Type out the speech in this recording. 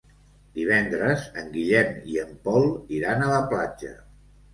Divendres en Guillem i en Pol iran a la platja.